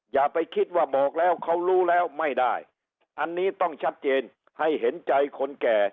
อย่าไปคิดว่าบอกแล้วเขารู้แล้วไม่ได้อันนี้ต้องชัดเจนให้เห็นใจคนแก่